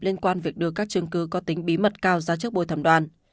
liên quan việc đưa các chương cư có tính bí mật cao ra trước bôi thẩm đoàn